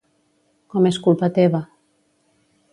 Com és culpa teva?